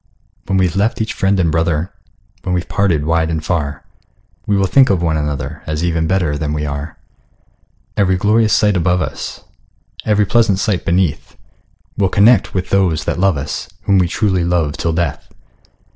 When we've left each friend and brother, When we're parted wide and far, We will think of one another, As even better than we are. Every glorious sight above us, Every pleasant sight beneath, We'll connect with those that love us, Whom we truly love till death!